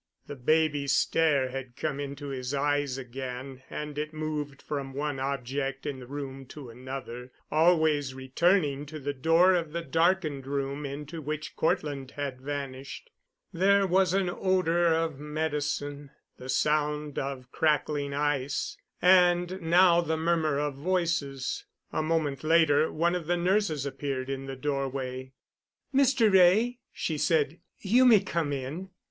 The baby stare had come into his eyes again, and it moved from one object in the room to another—always returning to the door of the darkened room into which Cortland had vanished. There was an odor of medicine, the sound of crackling ice, and now the murmur of voices. A moment later one of the nurses appeared in the doorway. "Mr. Wray," she said, "you may come in."